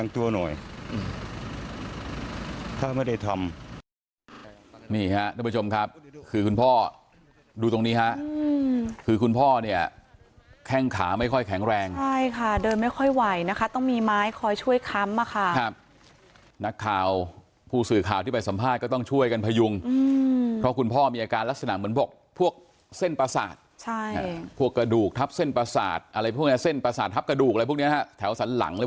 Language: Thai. ถ้าเขาไม่ทำทำไมก็ต้องหนีเนาะให้บวกให้เขามาแสดงตัวหน่อย